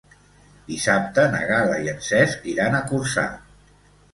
Dissabte na Gal·la i en Cesc iran a Corçà.